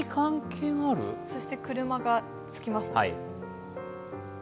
そして、車がつきます。